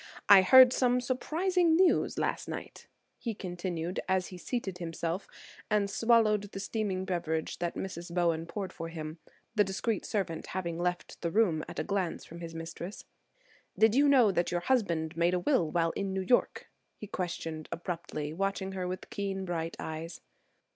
I heard some surprising news last night," he continued, as he seated himself and swallowed the steaming beverage that Mrs. Bowen poured for him, the discreet servant having left the room at a glance from his mistress. "Did you know that your husband made a will while in New York?" he questioned abruptly, watching her with keen, bright eyes.